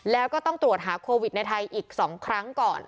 แล้วก็ต้องตรวจหาโควิดในไทยอีก๒ครั้งก่อน